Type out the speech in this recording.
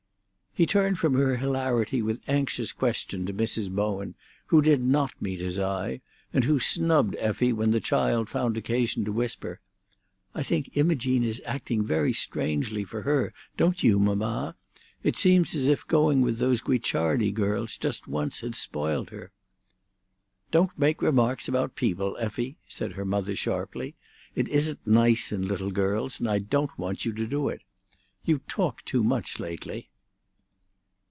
He turned from her hilarity with anxious question to Mrs. Bowen, who did not meet his eye, and who snubbed Effie when the child found occasion to whisper: "I think Imogene is acting very strangely, for her; don't you, mamma? It seems as if going with those Guicciardi girls just once had spoiled her." "Don't make remarks about people, Effie," said her mother sharply. "It isn't nice in little girls, and I don't want you to do it. You talk too much lately."